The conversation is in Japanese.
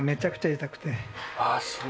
ああそう。